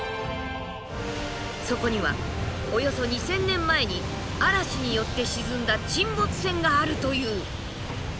そこにはおよそ２，０００年前に嵐によって沈んだ沈没船があるという。